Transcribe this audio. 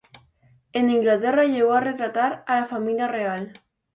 En Inglaterra llegó a retratar a la familia real.